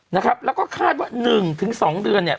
นะครับแล้วก็คาดว่า๑๒เดือนเนี่ย